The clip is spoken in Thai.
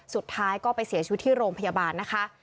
สุดท้ายก็ไปเสียชีวิตที่โรงพยาบาลนะคะ